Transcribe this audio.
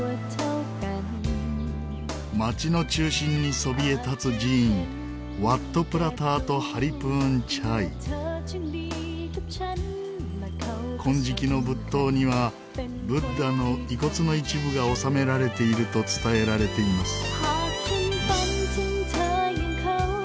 町の中心にそびえ立つ寺院金色の仏塔には仏陀の遺骨の一部が納められていると伝えられています。